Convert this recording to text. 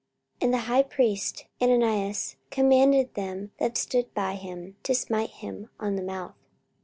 44:023:002 And the high priest Ananias commanded them that stood by him to smite him on the mouth.